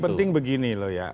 jadi begini loh ya